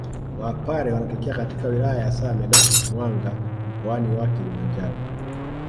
Wapare wanatokea katika wilaya za Same na Mwanga mkoani wa Kilimanjaro